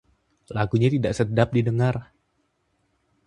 lagunya tidak sedap didengar